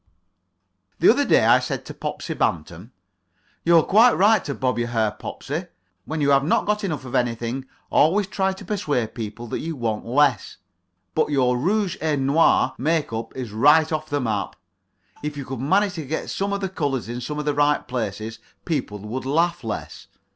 The other day I said to Popsie Bantam: "You're quite right to bob your hair, Popsie. When you have not got enough of anything, always try to persuade people that you want less. But your rouge et noir make up is right off the map. If you could manage to get some of the colours in some of the right places, people would laugh less.